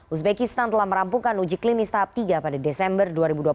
uzbekistan telah merampungkan uji klinis tahap tiga pada desember dua ribu dua puluh